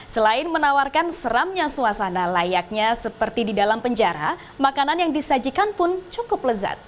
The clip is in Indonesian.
selain menawarkan seramnya suasana layaknya seperti di dalam penjara makanan yang disajikan pun cukup lezat